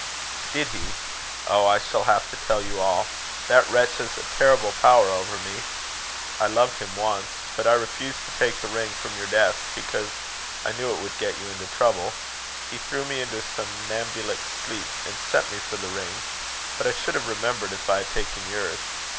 "Did he? Oh! I shall have to tell you all. That wretch has a terrible power over me. I loved him once. But I refused to take the ring from your desk, because I knew it would get you into trouble. He threw me into a somnambulic sleep, and sent me for the ring. But I should have remembered if I had taken yours.